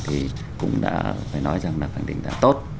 thì cũng đã phải nói rằng là khẳng định đã tốt